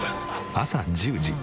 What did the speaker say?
朝１０時。